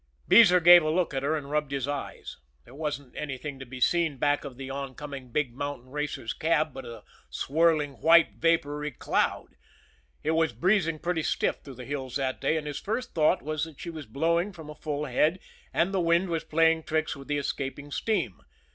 Beezer gave a look at her and rubbed his eyes. There wasn't anything to be seen back of the oncoming big mountain racer's cab but a swirling, white, vapory cloud. It was breezing pretty stiff through the hills that day, and his first thought was that she was blowing from a full head, and the wind was playing tricks with the escaping steam.